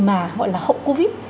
mà gọi là hậu covid